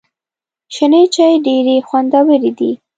شنې چای ډېري خوندوري دي .